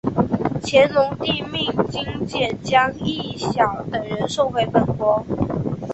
乾隆帝命金简将益晓等人送回本国。